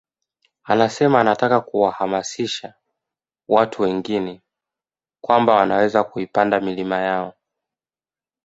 Anasema anataka kuwahamasisha watu wengine kwamba wanaweza kuipanda milima yao